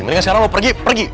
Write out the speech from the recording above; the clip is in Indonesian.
mendingan sekarang lo pergi pergi